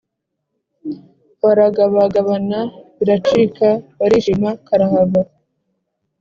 Baragabagabana biracika barishima karahava